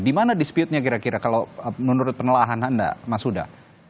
di mana dispute nya kira kira kalau menurut penelahan anda mas huda